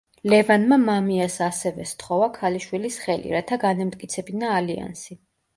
ლევანმა მამიას ასევე სთხოვა ქალიშვილის ხელი, რათა განემტკიცებინა ალიანსი.